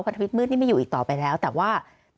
ทวิตมืดนี่ไม่อยู่อีกต่อไปแล้วแต่ว่า